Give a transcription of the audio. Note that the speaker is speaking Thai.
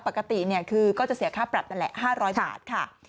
ปกติคือก็จะเสียค่าปรับนั่นแหละ๕๐๐บาทค่ะ